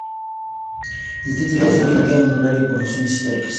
El título es, hoy en día, honorario por razones históricas.